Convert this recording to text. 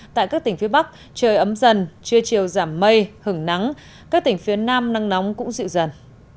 tại các tỉnh phía bắc trời ấm dần trưa chiều giảm mây hứng nắng các tỉnh phía nam nắng nóng cũng dịu dần